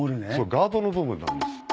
ガードの部分なんです。